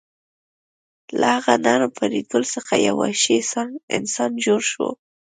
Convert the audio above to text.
له هغه نرم فریدګل څخه یو وحشي انسان جوړ شو